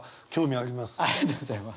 ありがとうございます。